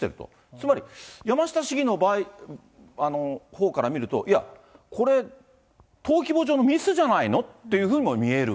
つまり山下市議のほうから見ると、いや、これ、登記簿上のミスじゃないのっていうふうにも見える。